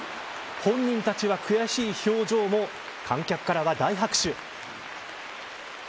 本人たちは悔しい表情も観客からは大拍手。